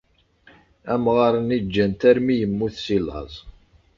Amɣar-nni ǧǧan-t armi yemmut si laẓ.